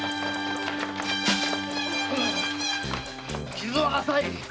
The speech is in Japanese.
傷は浅い！